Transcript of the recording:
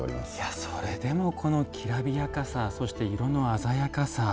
それでもこのきらびやかさそして、色の鮮やかさ。